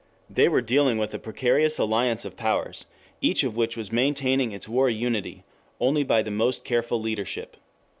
They were dealing with a precarious alliance of powers, each of which was maintaining its war unity only by the most careful leadership.